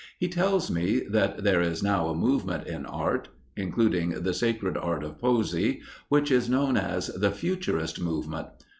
He tells me that there is now a movement in art including the sacred art of poesy which is known as the Futurist Movement.